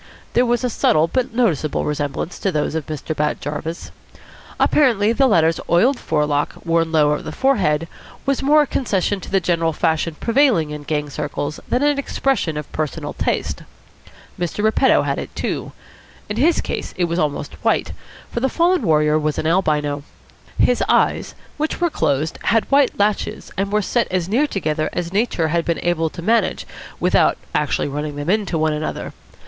There was a subtle but noticeable resemblance to those of Mr. Bat Jarvis. Apparently the latter's oiled forelock, worn low over the forehead, was more a concession to the general fashion prevailing in gang circles than an expression of personal taste. Mr. Repetto had it, too. In his case it was almost white, for the fallen warrior was an albino. His eyes, which were closed, had white lashes and were set as near together as Nature had been able to manage without actually running them into one another.